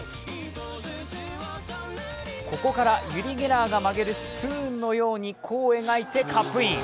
ここから、ユリ・ゲラーが曲げるスプーンのように弧を描いてカップイン。